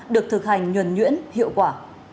được thực hành nhuẩn nhuyễn hiệu quả